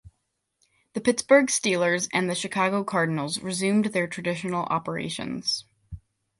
The Pittsburgh Steelers and the Chicago Cardinals resumed their traditional operations.